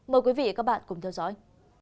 mời quý vị và các bạn cùng theo dõi